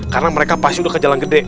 karena mereka pasti udah ke jalan gede